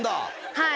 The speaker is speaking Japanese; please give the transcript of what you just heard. はい。